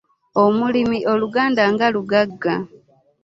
Olulimi oluganda nga lugagga!